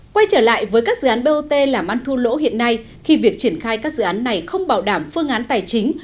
quay trở lại với các dự án bot làm ăn thua lỗ hiện nay khi việc triển khai các dự án này không bảo đảm phương án tài chính